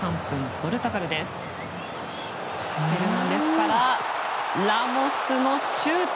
フェルナンデスからラモスのシュート。